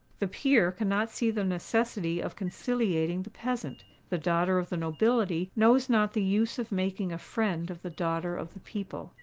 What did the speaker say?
The peer cannot see the necessity of conciliating the peasant: the daughter of the nobility knows not the use of making a friend of the daughter of the people.